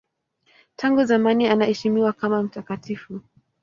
Tangu zamani anaheshimiwa kama mtakatifu.